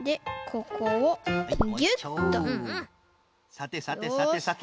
さてさてさてさて。